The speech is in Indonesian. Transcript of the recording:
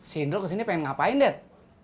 sini lo ke sini pengen ngapain dad